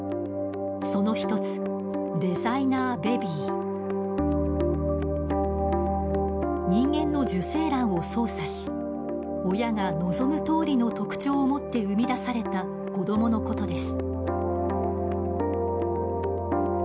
その一つ人間の受精卵を操作し親が望むとおりの特徴を持って生み出された子供のことです。